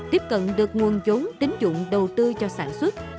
tiếp cận được nguồn giống tín dụng đầu tư cho sản xuất